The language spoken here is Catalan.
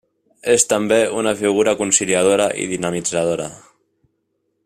És també una figura conciliadora i dinamitzadora.